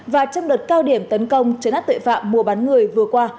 và trong đợt cao điểm tấn công chấn át tội phạm mua bán người vừa qua